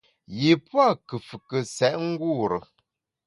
Yi pua’ nkùfùke sèt ngure.